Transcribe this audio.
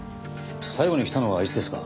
最後に来たのはいつですか？